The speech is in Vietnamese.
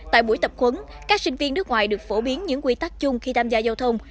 tại buổi tập khuấn các sinh viên nước ngoài được phổ biến những quy tắc chung khi tham gia giao thông